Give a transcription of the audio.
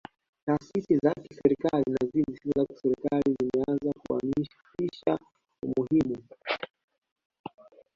Taasisi za kiserikali na zile zisizokuwa za kiserikali zimeanza kuhamasisha umuhimu